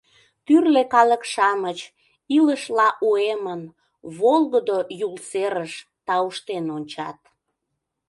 Тӱрлӧ калык-шамыч, илышла уэмын, Волгыдо Юл серыш тауштен ончат.